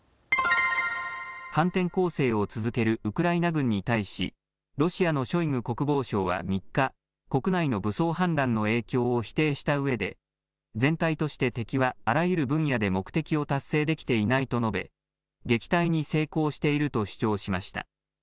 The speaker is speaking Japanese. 反転攻勢を続けるウクライナ軍に対しロシアのショイグ国防相は３日、国内の武装反乱の影響を否定したうえで全体として敵はあらゆる分野で目的を達成できていないと述べ、撃退に成功していると主張しました。